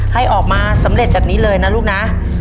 ให้ออกมาสำเร็จแบบนี้เลยนะลูกนะ